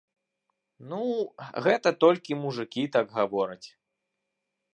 Ну, гэта толькі мужыкі так гавораць.